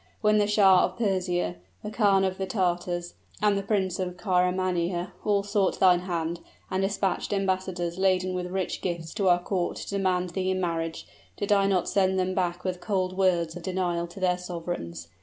when the Shah of Persia, the Khan of the Tartars, and the Prince of Karamania all sought thine hand, and dispatched embassadors laden with rich gifts to our court to demand thee in marriage, did I not send them back with cold words of denial to their sovereigns?